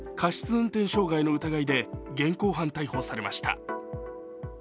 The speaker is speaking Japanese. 運転傷害の疑いで現行犯逮捕されました。